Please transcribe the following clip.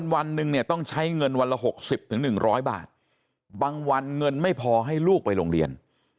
วันหนึ่งเนี่ยต้องใช้เงินวันละ๖๐๑๐๐บาทบางวันเงินไม่พอให้ลูกไปโรงเรียน